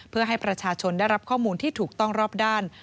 เพื่อให้ประชาชนได้รับข้อมูลที่ถูกต้องรอบด้าน